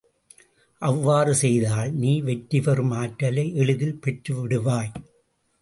அவ்வாறு செய்தால் நீ வெற்றி பெறும் ஆற்றலை எளிதில் பெற்றுவிடுவாய்.